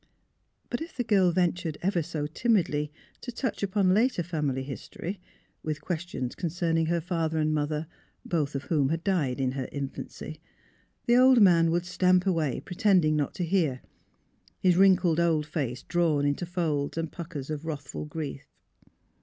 But if the girl ventured ever so timidly to touch upon later family history, with questions concerning her father and mother — both of whom 84 THE HEART OF PHILURA had died in her infancy — the old man would stamp away, pretending not to hear, his wrinkled old face drawn into folds and puckers of wrathful grief.